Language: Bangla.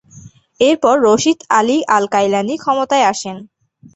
এরপর রশিদ আলি আল-কাইলানি ক্ষমতায় আসেন।